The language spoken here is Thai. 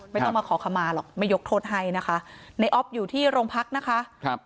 ไม่ต้องมาขอขมาหรอกไม่ยกโทษให้นะคะในออฟอยู่ที่โรงพักนะคะครับ